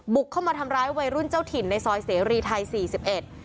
เข้ามาทำร้ายวัยรุ่นเจ้าถิ่นในซอยเสรีไทยสี่สิบเอ็ด